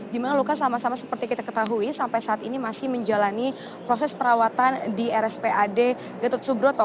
di mana luka sama sama seperti kita ketahui sampai saat ini masih menjalani proses perawatan di rspad gatot subroto